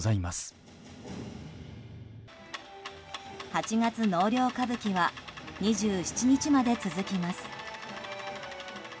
「八月納涼歌舞伎」は２７日まで続きます。